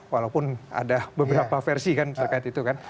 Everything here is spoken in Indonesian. walaupun ada beberapa versi kan terkait itu kan